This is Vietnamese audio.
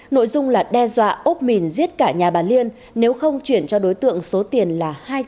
nội dung là đe dọa ốc mìn giết cả nhà bà liên nếu không chuyển cho đối tượng số tiền là hai trăm linh triệu